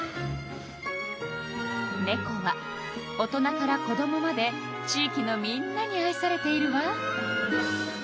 「ねこ」は大人から子どもまで地いきのみんなに愛されているわ。